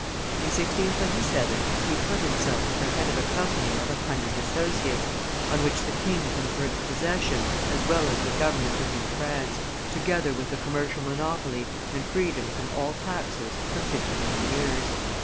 In 1627 he put himself at the head of a company of a hundred associates, on which the king conferred the possession as well as the government of New France, together with the commercial monopoly and freedom from all taxes for fifteen years.